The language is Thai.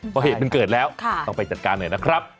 เพราะเหตุมันเกิดแล้วต้องไปจัดการหน่อยนะครับ